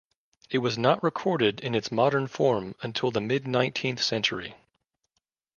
It was not recorded in its modern form until the mid-nineteenth century.